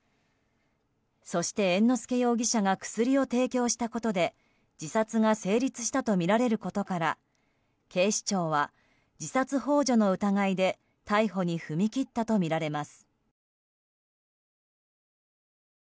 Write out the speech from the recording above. そして猿之助容疑者が薬を提供したことで自殺が成立したとみられることから警視庁は、自殺幇助の疑いで逮捕に踏み切ったとみられます。